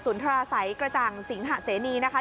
ศูนย์ธราษัยกระจังสิงหะเสนีนะคะ